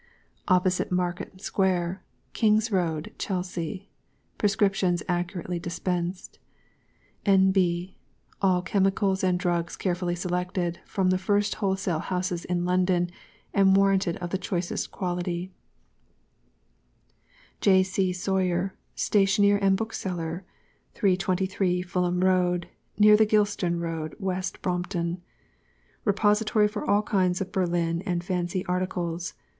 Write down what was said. OPPOSITE MARKHAM SQUARE, KINGŌĆÖS ROAD, CHELSEA. PRESCRIPTIONS ACCURATELY DISPENSED. N.B. All Chemicals and Drugs carefully selected from the first wholesale houses in London, and warranted of the choicest quality. J. C. SAWYER, STATIONER AND BOOKSELLER, 323, FULHAM ROAD, Near the Gilston Road, West Brompton. Repository for all kinds of Berlin and Fancy Articles.